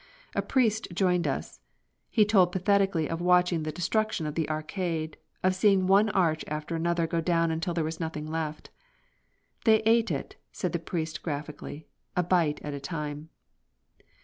A priest joined us. He told pathetically of watching the destruction of the Arcade, of seeing one arch after another go down until there was nothing left. "They ate it," said the priest graphically. "A bite at a time."